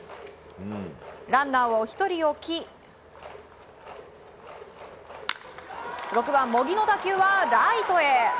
ランナーを１人置き６番、茂木の打球はライトへ。